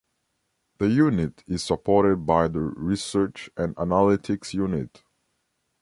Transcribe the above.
The Unit is supported by the Research and Analytics Unit.